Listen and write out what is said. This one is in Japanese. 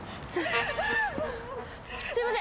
すいません。